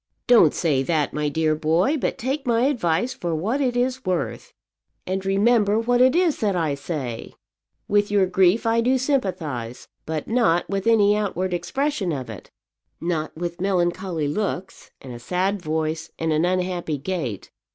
"Don't say that, my dear boy; but take my advice for what it is worth. And remember what it is that I say; with your grief I do sympathize, but not with any outward expression of it; not with melancholy looks, and a sad voice, and an unhappy gait.